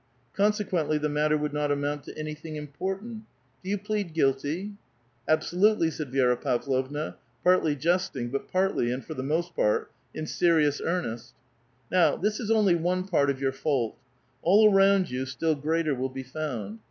Consequently the matter would not amount to anything important. Do you plead guilty?" " Absolutely," said Vi^ra Pavlovna, partly jesting, but partly, and for the most part, in serious earnest. '' Now, this is only one part of your fault. All around you still greater will be found.